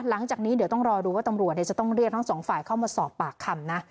หลังจากนี้เดี๋ยวต้องรอดูว่าตำรวจจะต้องเรียกทั้งสองฝ่ายเข้ามาสอบปากคำนะ